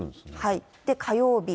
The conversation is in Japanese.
火曜日。